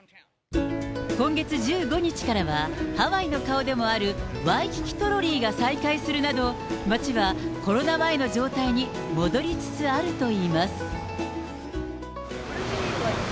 今月１５日からは、ハワイの顔でもある、ワイキキ・トロリーが再開するなど、街はコロナ前の状態に戻りつつあるといいます。